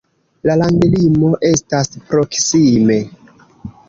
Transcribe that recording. La landlimo estas proksime.